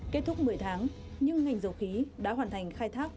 kết thúc một mươi tháng nhưng ngành dầu khí đã hoàn thành khai thác